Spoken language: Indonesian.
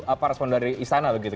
apa respon dari istana begitu